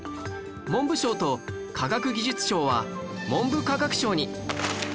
文部省と科学技術庁は文部科学省に